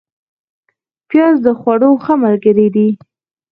پیاز د خوړو ښه ملګری دی